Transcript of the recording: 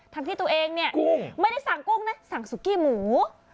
ที่ตัวเองเนี่ยไม่ได้สั่งกุ้งนะสั่งสุกี้หมู